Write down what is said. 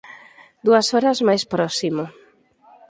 Dúas horas máis próximo.